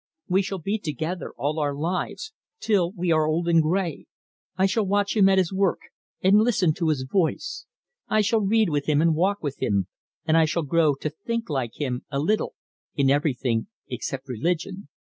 We shall be together all our lives, till we are old and grey. I shall watch him at his work, and listen to his voice. I shall read with him and walk with him, and I shall grow to think like him a little in everything except religion.